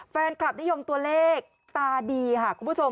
แฟนคลับนิยมตัวเลขตาดีค่ะคุณผู้ชม